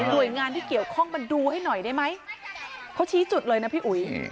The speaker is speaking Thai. โดยงานที่เกี่ยวข้องมาดูให้หน่อยได้ไหมเขาชี้จุดเลยนะพี่อุ๋ย